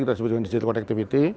kita sebutkan digital connectivity